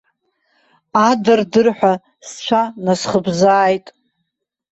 Адырдырҳәа сцәа насхыбзааит.